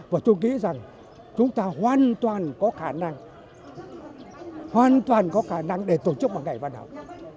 và tôi nghĩ rằng chúng ta hoàn toàn có khả năng hoàn toàn có khả năng để tổ chức một ngày văn học